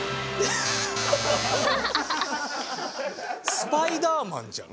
スパイダーマンじゃん。